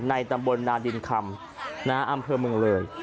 ในตำบลนาดินคำณอำเภอเมืองเรื่อย